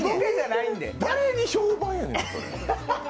誰に評判やねん。